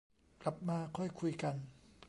กลับมาค่อยคุยกัน